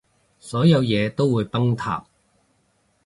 所有嘢都會崩塌